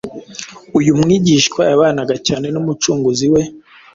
Uyu mwigishwa yabanaga cyane n’Umucunguzi we,